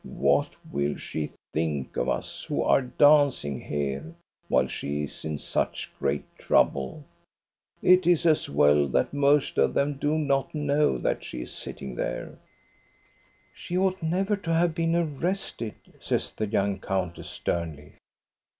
What will she think of us, who are dancing here, while she is in such great trouble. It is as well that most of them do not know that she is sitting there.' 12 178 THE STORY OF GOSTA BERLING " She ought never to have been arrested," says the young countess, sternly.